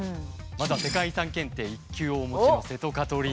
まずは世界遺産検定１級をお持ちの瀬戸カトリーヌさん。